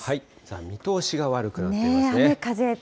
見通しが悪くなっていますね。